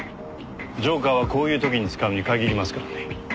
ジョーカーはこういう時に使うに限りますからね。